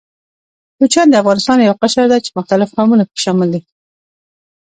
کوچيان د افغانستان يو قشر ده، چې مختلف قومونه پکښې شامل دي.